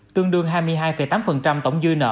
tương đương hai mươi hai tám tổng dư nợ